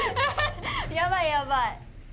やばいやばい。